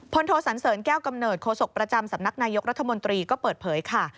โทสันเสริญแก้วกำเนิดโศกประจำสำนักนายกรัฐมนตรีก็เปิดเผยค่ะ